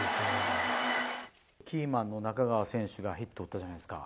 キーマンの中川選手がヒット打ったじゃないですか。